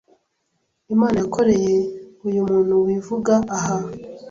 Imana yakoreye uyu muntu wivuga aha,